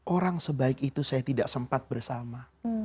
orang sebaik itu saya tidak sempat bersama